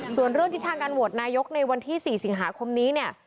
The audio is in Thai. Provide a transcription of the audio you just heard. ส่วนเรื่องทิศทางการโหวตนายกในวันที่๔สิงหาคมนี้เนี่ย